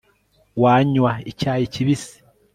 wanywa icyayi kibisi